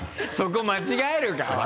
そこ間違えるか？